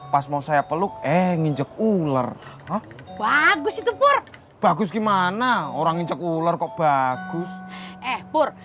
pas mau saya peluk eh nginjek ular bagus itu pur bagus gimana orang injek ular kok bagus eh pur